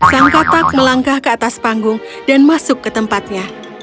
sang katak melangkah ke atas panggung dan masuk ke tempatnya